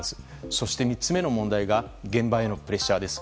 そして、３つ目の問題が現場へのプレッシャーです。